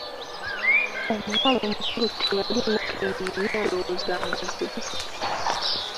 Omuwala omukulu teyaliimu keenyeenya ndowooza ng’azirise.